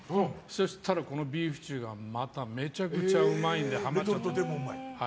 そしたら、このビーフシチューがめちゃくちゃうまいのではまっちゃって。